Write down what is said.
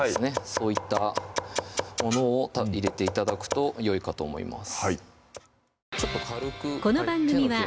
そういったものを入れて頂くとよいかと思います